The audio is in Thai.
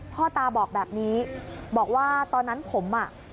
พ่อตาบอกแบบนี้บอกว่าตอนนั้นผมอ่ะ